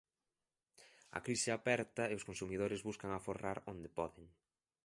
A crise aperta e os consumidores buscan aforrar onde poden.